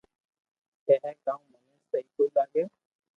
ڪي ھي ڪاو مني سھي ڪوئي لاگي